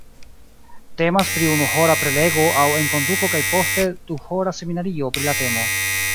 Temas pri unuhora prelego aŭ enkonduko kaj poste duhora seminario pri la temo.